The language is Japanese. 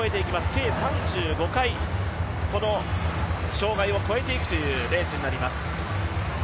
計３５回障害を越えていくというレースになります。